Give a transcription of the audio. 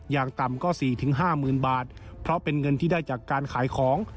อย่างต่ำก็๔๕๐๐๐บาทเพราะเป็นเงินที่ได้จากการขายของ